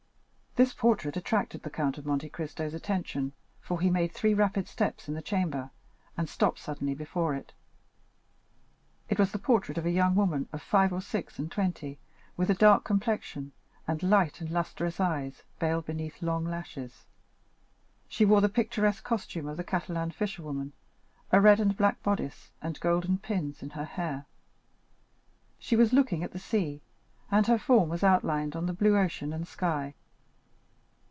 This portrait attracted the Count of Monte Cristo's attention, for he made three rapid steps in the chamber, and stopped suddenly before it. It was the portrait of a young woman of five or six and twenty, with a dark complexion, and light and lustrous eyes, veiled beneath long lashes. She wore the picturesque costume of the Catalan fisherwomen, a red and black bodice, and golden pins in her hair. She was looking at the sea, and her form was outlined on the blue ocean and sky.